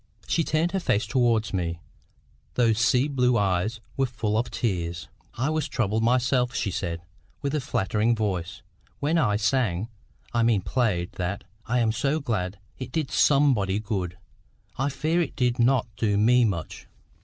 She turned her face towards me: those sea blue eyes were full of tears. "I was troubled myself," she said, with a faltering voice, "when I sang—I mean played—that. I am so glad it did somebody good! I fear it did not do me much.